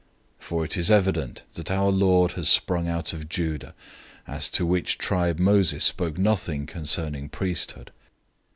007:014 For it is evident that our Lord has sprung out of Judah, about which tribe Moses spoke nothing concerning priesthood.